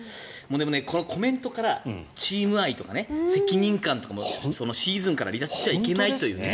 でも、このコメントからチーム愛とか責任感とかシーズンから離脱してはいけないというね。